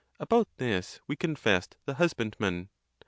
About this, we confessed the husbandman.